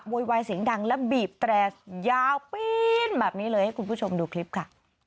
โวยวายเสียงดังและบีบแตรยาวปีนแบบนี้เลยให้คุณผู้ชมดูคลิปค่ะ